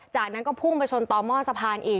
จากนั้นก็พุ่งไปชนต่อหม้อสะพานอีก